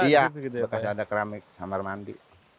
iya bekas ada keramik kamar mandi